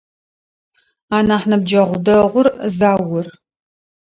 Анахь ныбджэгъу дэгъур Заур.